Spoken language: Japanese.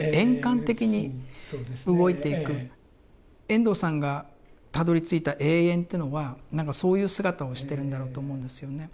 遠藤さんがたどりついた永遠というのは何かそういう姿をしてるんだろうと思うんですよね。